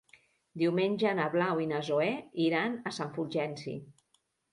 Diumenge na Blau i na Zoè iran a Sant Fulgenci.